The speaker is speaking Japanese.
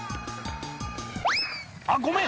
「あっごめん！」